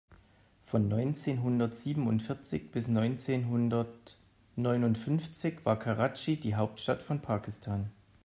Von neunzehnhundertsiebenundvierzig bis neunzehnhundertneunundfünfzig war Karatschi die Hauptstadt von Pakistan.